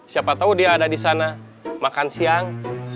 siapa tahu dia ada di sana makan siang